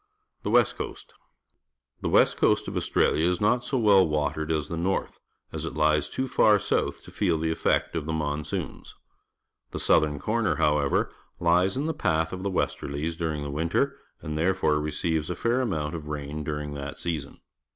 The West Coast. — The west coast of Australia is not so well watered as the north, as it lies too far south to feel the effect of the monsoons. Th e southern c orner, how ever, l ies in the path of the westerhes during the winter, and therefore r eceive s a fair amount_of_j:aiB during that season.